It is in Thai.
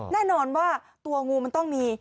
แน่นอนว่าตัวงูมันต้องมี